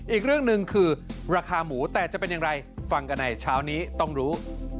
อีกเรื่องหนึ่งคือราคาหมูแต่จะเป็นอย่างไรฟังกันในเช้านี้ต้องรู้